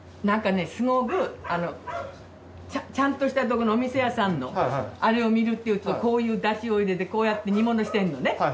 なんかねすごくちゃんとしたとこのお店屋さんのあれを見るっていうとこういうだしを入れてこうやって煮物してんのね。